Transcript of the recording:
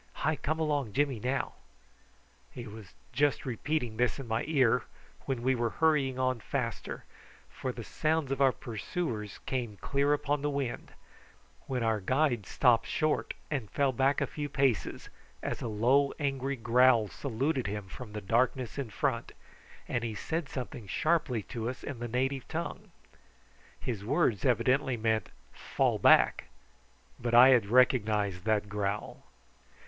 Hi come along Jimmy now." He was just repeating this in my ear when we were hurrying on faster, for the sounds of our pursuers came clear upon the wind, when our guide stopped short and fell back a few paces as a low angry growl saluted him from the darkness in front and he said something sharply to us in the native tongue. His words evidently meant "Fall back!" but I had recognised that growl.